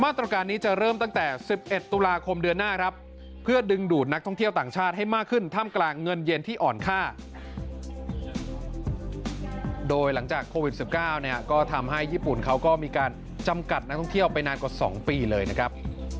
ตรการนี้จะเริ่มตั้งแต่๑๑ตุลาคมเดือนหน้าครับเพื่อดึงดูดนักท่องเที่ยวต่างชาติให้มากขึ้นท่ามกลางเงินเย็นที่อ่อนค่าโดยหลังจากโควิด๑๙เนี่ยก็ทำให้ญี่ปุ่นเขาก็มีการจำกัดนักท่องเที่ยวไปนานกว่า๒ปีเลยนะครับ